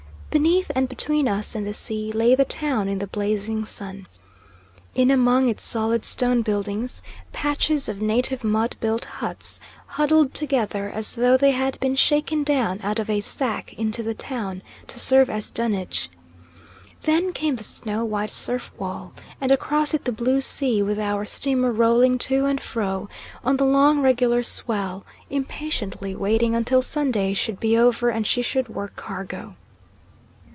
Beneath, and between us and the sea, lay the town in the blazing sun. In among its solid stone buildings patches of native mud built huts huddled together as though they had been shaken down out of a sack into the town to serve as dunnage. Then came the snow white surf wall, and across it the blue sea with our steamer rolling to and fro on the long, regular swell, impatiently waiting until Sunday should be over and she could work cargo.